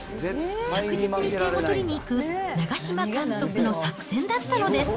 着実に点を取りにいく長嶋監督の作戦だったのです。